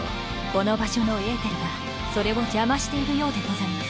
この場所のエーテルがそれを邪魔しているようでございます。